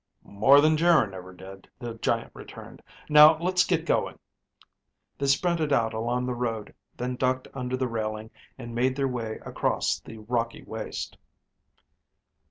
"More than Geryn ever did," the giant returned. "Now let's get going." They sprinted out along the road, then ducked under the railing and made their way across the rocky waste.